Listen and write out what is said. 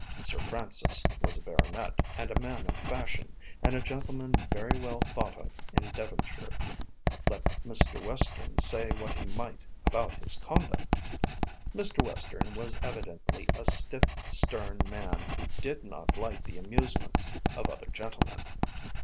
Sir Francis was a baronet, and a man of fashion, and a gentleman very well thought of in Devonshire, let Mr. Western say what he might about his conduct. Mr. Western was evidently a stiff stern man who did not like the amusements of other gentlemen.